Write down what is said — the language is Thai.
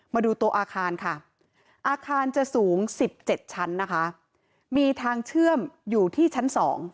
มาดูตัวอาคารค่ะอาคารจะสูง๑๗ชั้นนะคะมีทางเชื่อมอยู่ที่ชั้น๒